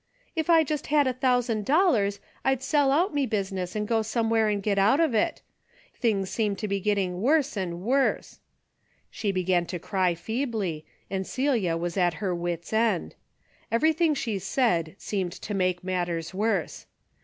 "If I just had a thousand dollars, I'd sell out me business and go someAvhere and get out of it. Things seem to be getting Avorse and Avorse." She began to cry feebly, and Celia Avas at her wit's end. Everything 'M DAILY RATE.'^ 41 she said seemed to make matters worse.